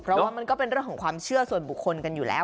เพราะว่ามันก็เป็นเรื่องของความเชื่อส่วนบุคคลกันอยู่แล้ว